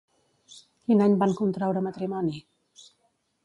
Quin any van contraure matrimoni?